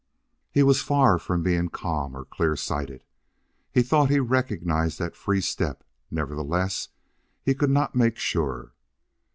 He was far from being calm or clear sighted. He thought he recognized that free step; nevertheless, he could not make sure.